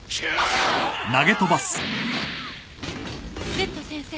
Ｚ先生。